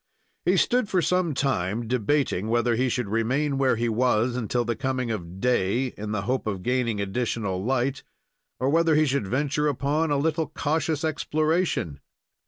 He stood for some time, debating whether he should remain where he was until the coming of day, in the hope of gaining additional light, or whether he should venture upon a little cautious exploration.